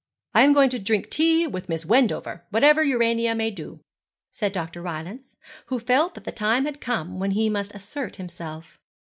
'I am going to drink tea with Miss Wendover, whatever Urania may do,' said Dr. Rylance, who felt that the time had come when he must assert himself.